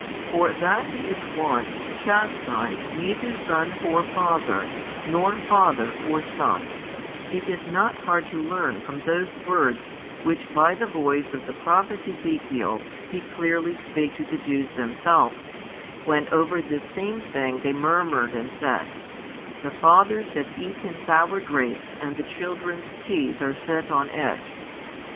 For that He is wont to chastise neither son for father nor father for son, it is not hard to learn from those words which by the voice of the prophet Ezekiel He clearly spake to the Jews |9 themselves, when over this same thing they murmured and said: The fathers have eaten sour grapes and the children's teeth are set on edge.